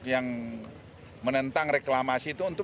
yang menentang reklamasi itu